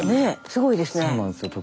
すごいですね。